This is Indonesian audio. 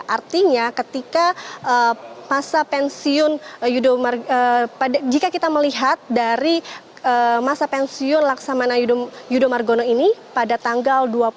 artinya ketika masa pensiun yudo jika kita melihat dari masa pensiun laksamana yudo margono ini pada tanggal dua puluh tiga maret dua ribu dua puluh